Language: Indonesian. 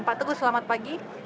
pak teguh selamat pagi